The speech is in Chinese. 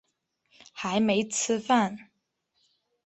还没吃饭